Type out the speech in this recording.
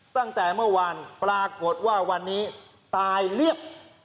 ตั้งแต่เมื่อวานปรากฏว่าวันนี้ตายเรียบ